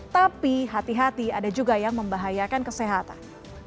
tapi hati hati ada juga yang membahayakan kesehatan